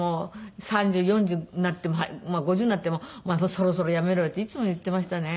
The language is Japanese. ３０４０になってもまあ５０になっても「お前そろそろやめろよ」っていつも言っていましたね。